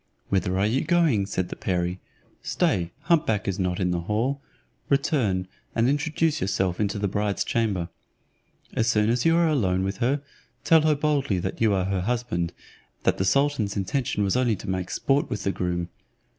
"Whither are you going?" said the perie; "stay, hump back is not in the hall, return, and introduce yourself into the bride's chamber. As soon as you are alone with her, tell her boldly that you are her husband, that the sultan's intention was only to make sport with the groom.